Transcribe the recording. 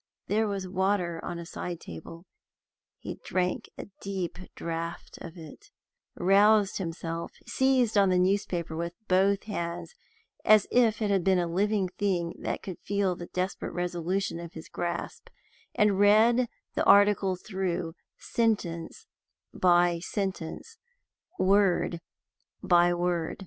There was water on a side table he drank a deep draught of it roused himself seized on the newspaper with both hands, as if it had been a living thing that could feel the desperate resolution of his grasp, and read the article through, sentence by sentence, word by word.